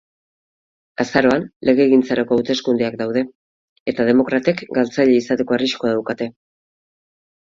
Azaroan legegintzarako hauteskundeak daude, eta demokratek galtzaile izateko arriskua daukate.